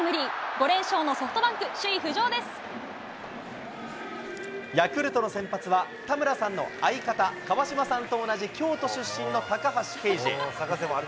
５連勝のソフトバンク、首位浮上ヤクルトの先発は、田村さんの相方、川島さんと同じ京都出身の高橋奎二。